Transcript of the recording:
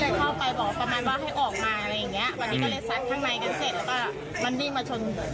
วันนี้ก็เลยสัดข้างในกันเสร็จ